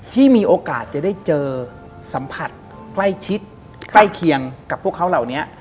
ที่มีโอกาสจะได้เจอสัมผัสใกล้ชิดใกล้เคียงกับพวกเขาเหล่านี้